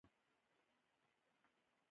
پر ما غټ دي د مُلا اوږده بوټونه